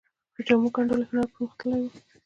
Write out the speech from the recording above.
د جامو ګنډلو هنر پرمختللی و